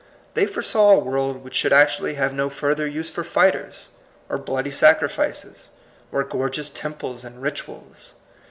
They foresaw a world which should actually have no further use for fighters, or bloody sacrifices, or gorgeous temples and rituals.